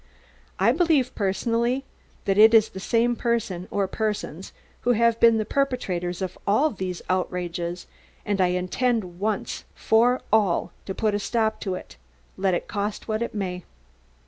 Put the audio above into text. I believe personally that it is the same person or persons who have been the perpetrators of all these outrages and I intend once for all to put a stop to it, let it cost what it may."